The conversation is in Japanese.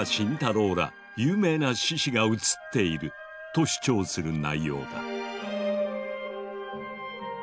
ら有名な志士が写っていると主張する内容だ。